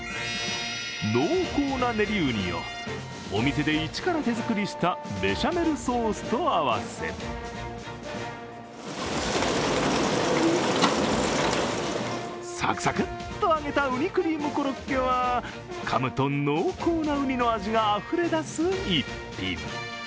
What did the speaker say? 濃厚な練りうにを、お店で一から手作りしたベシャメルソースと合わせ、さくさくっと揚げたうにクリームコロッケはかむと濃厚なうにの味があふれ出す逸品。